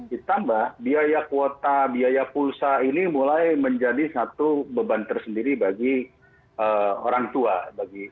ditambah biaya kuota biaya pulsa ini mulai menjadi satu beban tersendiri bagi orang tua